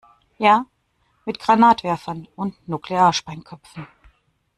Ja, mit Granatwerfern und Nuklearsprengköpfen.